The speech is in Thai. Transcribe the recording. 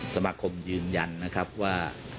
สมาคมยืนยันนะครับว่า